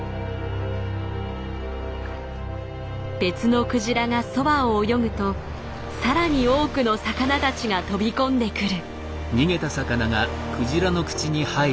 別のクジラがそばを泳ぐとさらに多くの魚たちが飛び込んでくる。